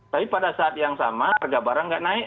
tapi pada saat yang sama harga barang tidak naik